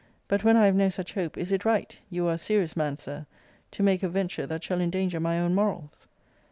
But, when I have no such hope, is it right [you are a serious man, Sir] to make a venture that shall endanger my own morals?